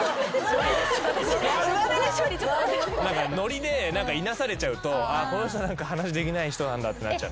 ノリでいなされちゃうとこの人話できない人なんだってなっちゃう。